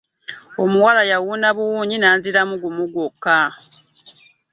Omuwala yawuuna buwuunyi n'anziramu gumu gwokka.